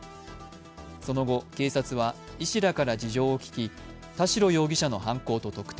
その後、警察は医師らから事情を聴き、田代容疑者の犯行と特定。